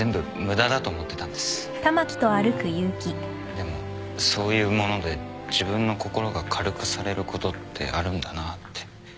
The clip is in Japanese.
でもそういうもので自分の心が軽くされることってあるんだなって